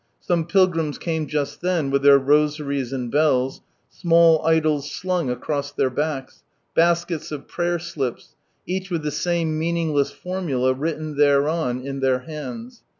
bome pilgrims came just then, with their rosaries and bells, small idols slung across their backs, baskets of prayer slips, each with the same meaningless formula written thereon, in their hands.